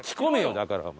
だからお前。